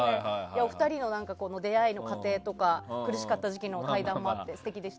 お二人の出会いの過程とか苦しかった時期の対談もあって素敵でした。